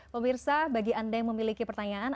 pemirsa bagi anda yang memiliki pertanyaan